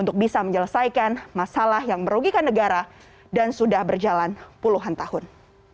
untuk bisa menyelesaikan masalah yang merugikan negara dan sudah berjalan puluhan tahun